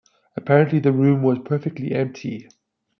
Apparently the room was perfectly empty.